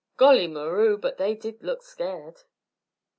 Golly Moroo, but they did look scared."